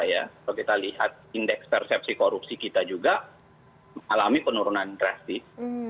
kalau kita lihat indeks persepsi korupsi kita juga mengalami penurunan drastis